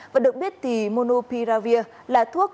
và được biết thì monopiravir là thuốc